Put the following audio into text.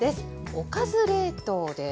「おかず冷凍」です。